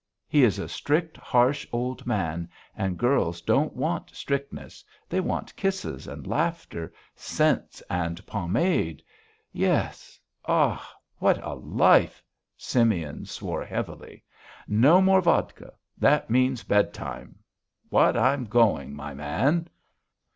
He is a strict, harsh old man. And girls don't want strictness; they want kisses and laughter, scents and pomade. Yes.... Ah! What a life!" Simeon swore heavily. "No more vodka! That means bedtime. What? I'm going, my man."